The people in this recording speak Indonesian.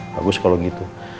bagus kalau gitu